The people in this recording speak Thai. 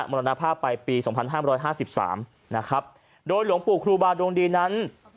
รณภาพไปปีสองพันห้ามร้อยห้าสิบสามนะครับโดยหลวงปู่ครูบาดวงดีนั้น